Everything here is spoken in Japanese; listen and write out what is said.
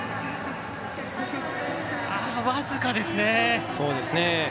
僅かですね。